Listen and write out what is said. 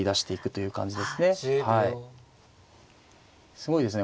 すごいですね。